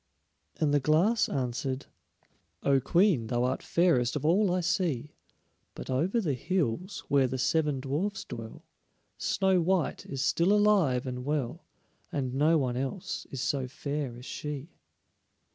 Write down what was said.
And the Glass answered: "O Queen, thou art fairest of all I see, But over the hills, where the seven dwarfs dwell, Snow white is still alive and well, And no one else is so fair as she."